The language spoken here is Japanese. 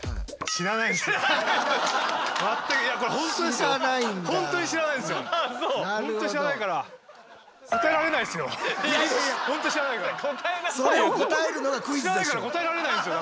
知らないから答えられないんですよ。